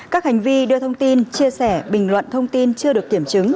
các hành vi đưa thông tin chia sẻ bình luận thông tin chưa được kiểm chứng